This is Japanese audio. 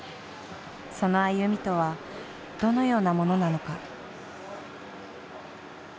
その歩みとはどのようなものなのか。